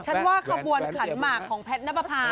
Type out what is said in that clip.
ฉันว่ากระบวนขันหมากของแพทย์น้ับปะภา